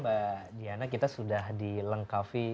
mbak diana kita sudah dilengkapi